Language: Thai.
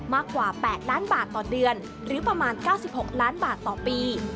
มากกว่า๘ล้านบาทต่อเดือนหรือประมาณ๙๖ล้านบาทต่อปี